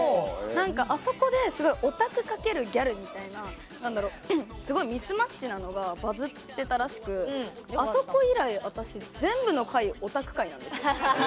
あそこでオタク×ギャルみたいなすごいミスマッチなのがバズってたらしくあそこ以来、私全部の回、オタク回なんですよ。